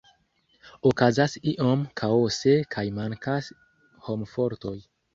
Okazas iom kaose kaj mankas homfortoj.